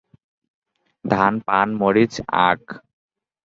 ধান, পান, মরিচ, আখ।